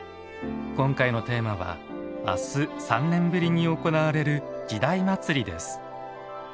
今回のテーマはあす、３年ぶりに行われる「時代祭」です。